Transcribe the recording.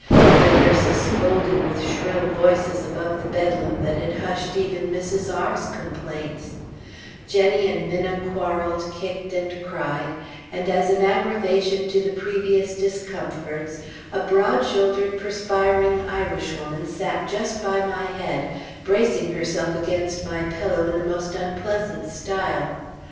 The nurses scolded with shrill voices above the bedlam that had hushed even Mrs. R 's complaints; Jennie and Minna quarreled, kicked, and cried; and as an aggravation to the previous discomforts, a broad shouldered, perspiring Irishwoman sat just by my head, bracing herself against my pillow in the most unpleasant style.